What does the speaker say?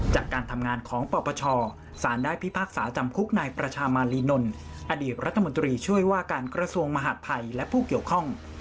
จากการทำงานของปปชสารได้พิพากษาจำคุกนายประชามาลีนนท์อดีตรัฐมนตรีช่วยว่าการกระทรวงมหาดไทยและผู้เกี่ยวข้อง